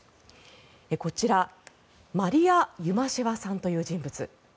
こちら、マリア・ユマシェワさんという人物。